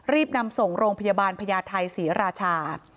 รีบนำส่งโรงพยาบาลพญาไทยศรีราชา